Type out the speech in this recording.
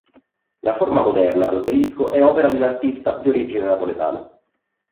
La forma moderna ad obelisco è opera di un artista di origine napoletana.